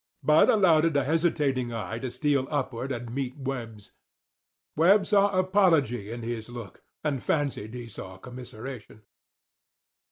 Bud allowed a hesitating eye to steal upward and meet Webb's. Webb saw apology in his look, and fancied he saw commiseration.